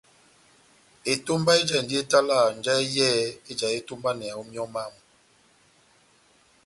Etomba ejahindi etalaha njahɛ yɛ́hɛ́pi éjahi etómbaneyaha ó míyɔ mámu.